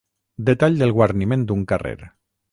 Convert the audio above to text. Detall del guarniment d'un carrer.